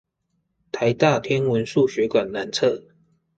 臺大天文數學館南側